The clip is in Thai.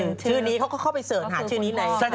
ชื่อนี้เขาก็เข้าไปเสิร์ชหาชื่อนี้ใน